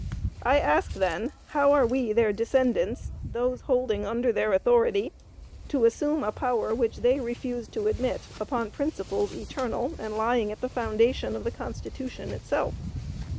I ask, then, how are we, their descendants, those holding under their authority, to assume a power which they refused to admit, upon principles eternal and lying at the foundation of the Constitution itself?